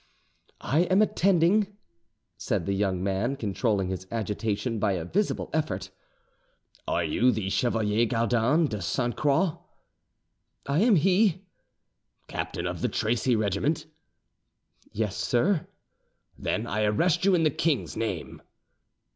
"I am attending," said the young man, controlling his agitation by a visible effort. "Are you the Chevalier Gaudin de Sainte Croix?" "I am he." "Captain of the Tracy, regiment?" "Yes, sir." "Then I arrest you in the king's name."